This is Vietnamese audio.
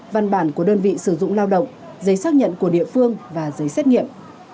văn bản của đơn vị sử dụng lao động giấy xác nhận của địa phương và giấy xét nghiệm